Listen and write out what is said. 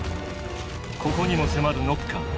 ここにも迫るノッカー。